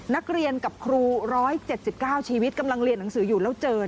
นักเรียนกับครู๑๗๙ชีวิตกำลังเรียนหนังสืออยู่แล้วเจอ